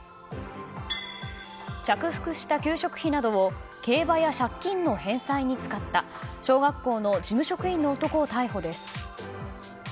着服した給食費などを競馬や借金の返済に使った小学校の事務職員の男を逮捕です。